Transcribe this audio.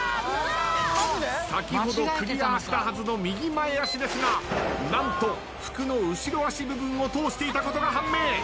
先ほどクリアしたはずの右前足ですが何と服の後ろ足部分を通していたことが判明。